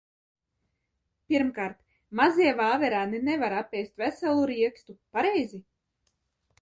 Pirmkārt, mazie vāverēni nevar apēst veselu riekstu, pareizi?